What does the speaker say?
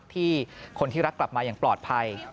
ที่คนที่รักกลับมาอย่างปลอดภัย